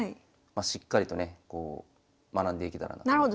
しっかりとね学んでいけたらなと。